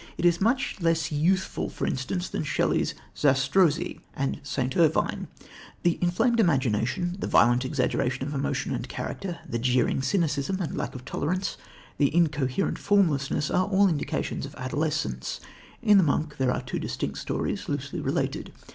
It is much less youthful, for instance, than Shelley's Zastrozzi and St. Irvyne. The inflamed imagination, the violent exaggeration of emotion and of character, the jeering cynicism and lack of tolerance, the incoherent formlessness, are all indications of adolescence. In The Monk there are two distinct stories, loosely related.